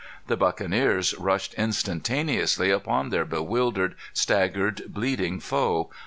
The buccaneers rushed instantaneously upon their bewildered, staggered, bleeding foe.